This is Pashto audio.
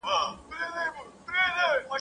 د رقیبانو له سرکوبه خو چي نه تېرېدای ..